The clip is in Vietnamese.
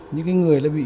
những người bị ưu tiên